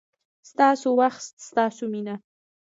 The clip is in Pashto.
ستاسو وخت، ستاسو مینه